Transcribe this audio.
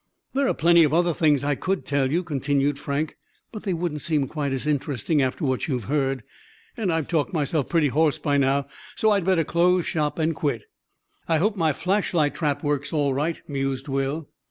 "There are plenty of other things I could tell you," continued Frank, "but they wouldn't seem quite as interesting after what you've heard. And I've talked myself pretty hoarse by now, so I'd better close shop and quit." "I hope my flashlight trap works all right," mused Will.